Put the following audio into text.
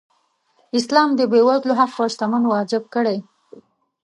اسلام د بېوزلو حق په شتمن واجب کړی.